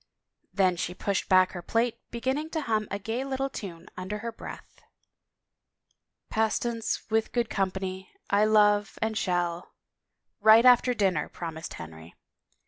Then she pushed back her plate, beginning to hum a gay little time under her breath. Pastance with good company I love, and shall —" Right after dinner," promised Henry.